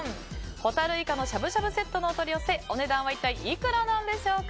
ほたるいかのしゃぶしゃぶセットのお取り寄せお値段は一体いくらなんでしょうか。